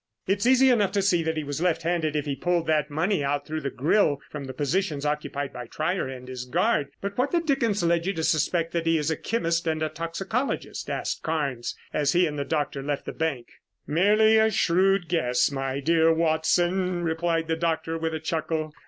"It's easy enough to see that he was left handed if he pulled that money out through the grill from the positions occupied by Trier and his guard, but what the dickens led you to suspect that he is a chemist and a toxicologist?" asked Carnes as he and the doctor left the bank. "Merely a shrewd guess, my dear Watson," replied the doctor with a chuckle.